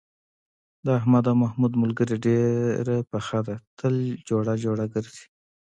د احمد او محمود ملگري ډېره پخه ده، تل جوړه جوړه گرځي.